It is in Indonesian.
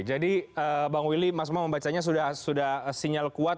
jadi bang willy mas umam membacanya sudah sinyal kuat